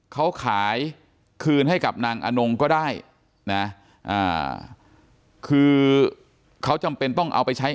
เขาขายคืนให้กับนางอนงก็ได้นะคือเขาจำเป็นต้องเอาไปใช้